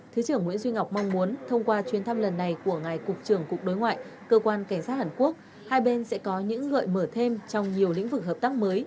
thứ trưởng nguyễn duy ngọc mong muốn thông qua chuyến thăm lần này của ngài cục trưởng cục đối ngoại cơ quan cảnh sát hàn quốc hai bên sẽ có những gợi mở thêm trong nhiều lĩnh vực hợp tác mới